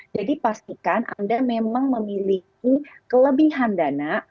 jadi pastikan anda memang memiliki kelebihan dana